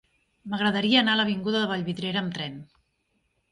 M'agradaria anar a l'avinguda de Vallvidrera amb tren.